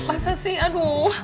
masa sih aduh